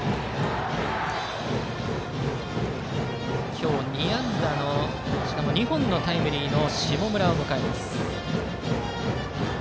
今日２安打の２本のタイムリーの下村を迎えます。